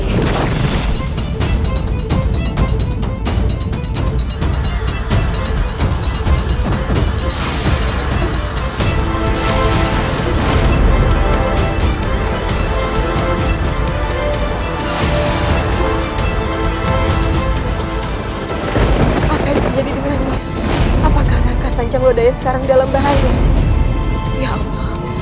apa yang terjadi dengan dia apakah lakasannya sekarang dalam bahaya